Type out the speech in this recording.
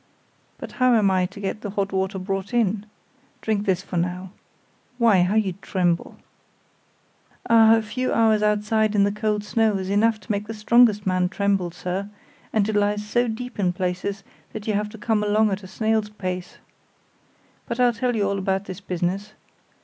"But how am I to get the hot water brought in? Drink this for now. Why, how you tremble." "Ah, a few hours outside in the cold snow is enough to make the strongest man tremble, sir; and it lies so deep in places that you have to come along at a snail's pace. But I'll tell you about this business.